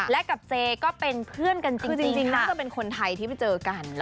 และกับเจก็เป็นเพื่อนกันจริงน่าจะเป็นคนไทยที่ไปเจอกัน